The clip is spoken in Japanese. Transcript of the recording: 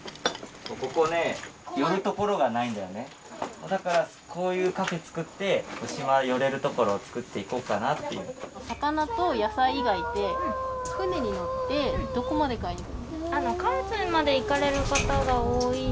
ここね寄る所がないんだよねだからこういうカフェつくって島寄れる所をつくっていこうかなっていう魚と野菜以外で船に乗ってどこまで買いに行くんですか？